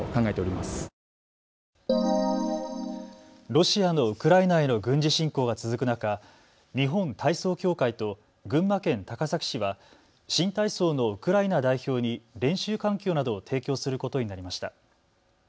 ロシアのウクライナへの軍事侵攻が続く中、日本体操協会と群馬県高崎市は新体操のウクライナ代表に練習環境などを提供することになりました。